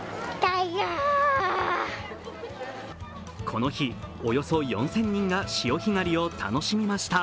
この日、およそ４０００人が潮干狩を楽しみました。